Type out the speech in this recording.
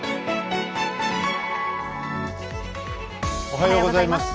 おはようございます。